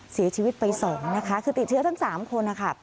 เสียชีวิตไป๒นะคะคือติดเชื้อทั้ง๓คนนะคะ